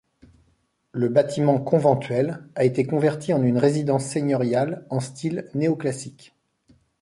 Le bâtiment conventuel a été converti en une résidence seigneuriale en style néo-classique.